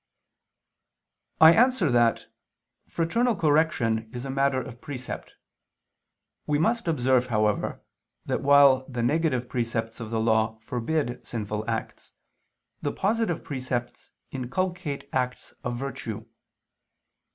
I answer that, Fraternal correction is a matter of precept. We must observe, however, that while the negative precepts of the Law forbid sinful acts, the positive precepts inculcate acts of virtue.